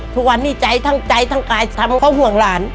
ทุกวันนี้ใจทั้งใจทั้งกายทำเขาห่วงหลาน